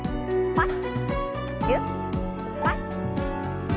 パッ。